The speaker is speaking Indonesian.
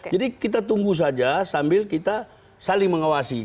jadi kita tunggu saja sambil kita saling mengawasi